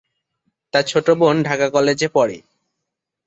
তার ছোট বোন ঢাকা কলেজে পড়ে।